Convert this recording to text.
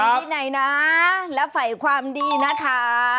มีวินัยนะและไฟความดีนะคะ